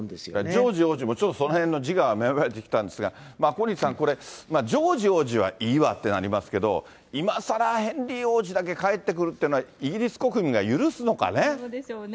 ジョージ王子も、ちょっと、そのへんの自我が芽生えてきたんですが、小西さん、これ、ジョージ王子はいいわってなりますけど、今さらヘンリー王子だけ帰ってくるっていうのは、イギリス国民がどうでしょうね。